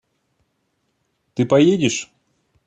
Ты поедешь?.